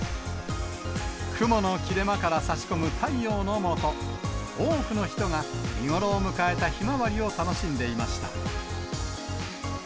雲の切れ間からさし込む太陽の下、多くの人が見頃を迎えたひまわり楽しい。